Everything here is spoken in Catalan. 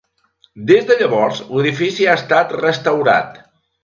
Des de llavors l'edifici ha estat restaurat.